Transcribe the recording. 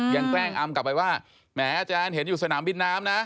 แกล้งอำกลับไปว่าแหมอาจารย์เห็นอยู่สนามบินน้ำนะ